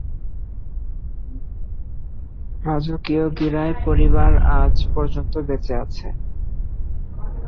রাজকীয় গিরায় পরিবার আজ পর্যন্ত বেঁচে আছে।